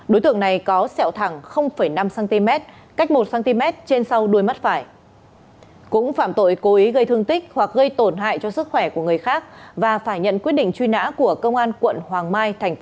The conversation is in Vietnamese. đối tượng này có sẹo thẳng năm cm cách một cm trên sáu mươi cm